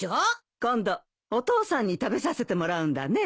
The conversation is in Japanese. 今度お父さんに食べさせてもらうんだね。